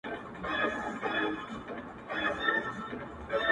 o دغه خوار ملنگ څو ځايه تندی داغ کړ ـ